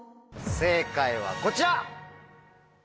正解はこちら！